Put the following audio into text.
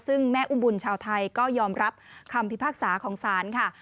ซึ่งแม่อุ้มบุญชาวไทยก็ยอมรับคำพิพากษาของศาลค่ะ